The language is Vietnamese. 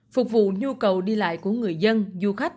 phục vụ nhu cầu đi lại của người dân du khách